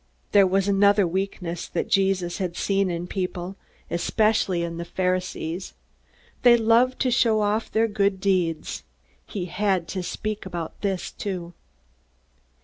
There was another weakness that Jesus had seen in people, especially in the Pharisees. They loved to show off their good deeds. He had to speak about this too.